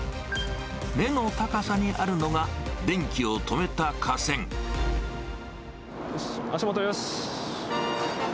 目の高さにあるのが、足元よし。